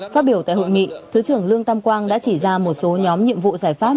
phát biểu tại hội nghị thứ trưởng lương tam quang đã chỉ ra một số nhóm nhiệm vụ giải pháp